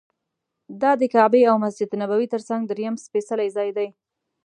دا د کعبې او مسجد نبوي تر څنګ درېیم سپېڅلی ځای دی.